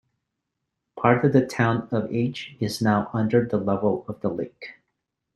Part of the town of Aitch is now under the level of the lake.